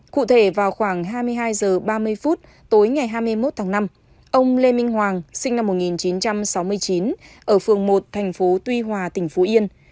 cụ thể vào khoảng hai mươi hai h ba mươi phút tối ngày hai mươi một tháng năm ông lê minh hoàng sinh năm một nghìn chín trăm sáu mươi chín ở phường một thành phố tuy hòa tỉnh phú yên